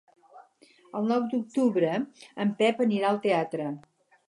El nou d'octubre en Pep anirà al teatre.